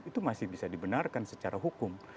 itu masih bisa dibenarkan secara hukum